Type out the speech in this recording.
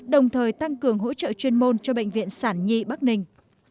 đồng thời tăng cường hỗ trợ chuyên môn cho bệnh viện sản nhi bắc ninh